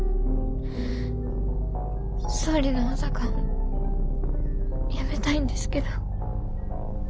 総理の補佐官辞めたいんですけど。